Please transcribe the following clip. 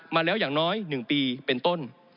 มาแล้วอย่างน้อย๑ปีเป็นต้น